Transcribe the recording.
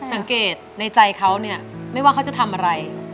สังเกตในใจเขาเนี่ยไม่ว่าเขาจะทำอะไร